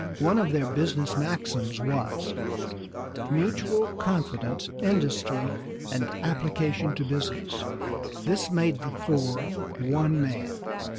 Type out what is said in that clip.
One of their business maxims was, "Mutual confidence, industry and application to business." This made the four one man.